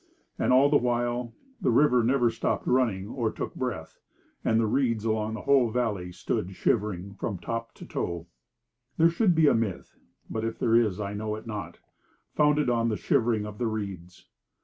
And all the while the river never stopped running or took breath; and the reeds along the whole valley stood shivering from top to toe. There should be some myth (but if there is, I know it not) founded on the shivering of the reeds.